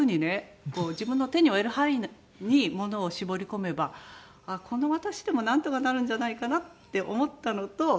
自分の手に負える範囲内に物を絞り込めばこんな私でもなんとかなるんじゃないかなって思ったのと。